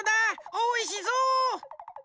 おいしそう。